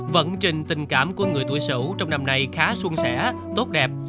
vận trình tình cảm của người tuổi sủ trong năm nay khá xuân xẻ tốt đẹp